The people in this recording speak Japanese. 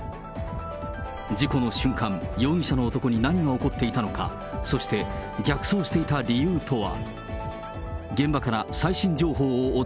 事故の瞬間、容疑者の男に何が起こっていたのか、そして逆走していた理由とは。